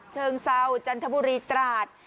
เชิงเซาจันทบุรีตราด